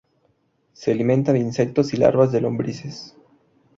Se alimenta de insectos y larvas de lombrices.